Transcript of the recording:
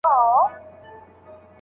زوی موزيم ته تګ هېر نه کړ.